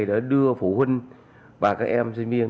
để đưa phụ huynh và các em sinh viên